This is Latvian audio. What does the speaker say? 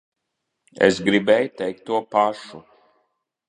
Es gribēju teikt to pašu.